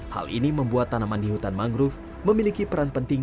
hal ini membuat tanaman di hutan mangrove memiliki peran penting